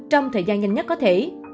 trong thời gian nhanh nhất có thể